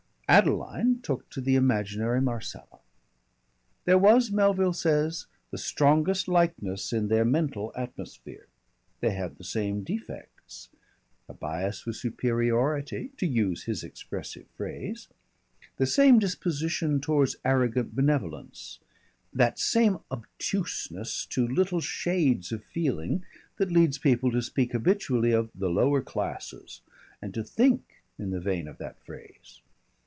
Adeline took to the imaginary Marcella. There was, Melville says, the strongest likeness in their mental atmosphere. They had the same defects, a bias for superiority to use his expressive phrase the same disposition towards arrogant benevolence, that same obtuseness to little shades of feeling that leads people to speak habitually of the "Lower Classes," and to think in the vein of that phrase.